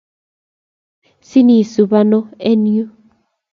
Sinisub ano eng yu?